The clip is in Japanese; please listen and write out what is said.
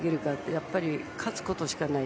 やっぱり勝つことしかない。